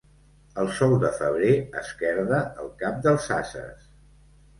El sol de febrer esquerda el cap dels ases.